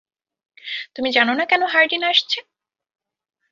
তুমি জানো না কেন হার্ডিন আসছে?